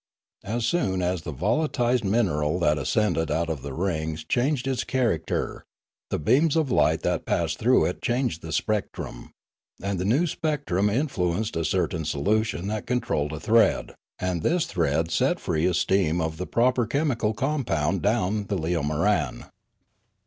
As soon as the volatil ised mineral that ascended out of the rings changed its character, the beams of light that passed through it changed the spectrum; and the new spectrum in fluenced a certain solution that controlled a thread, and this thread set free a stream of the proper chemical compound down the leomoran.